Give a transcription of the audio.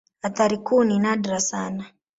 Athari kuu ni nadra sana.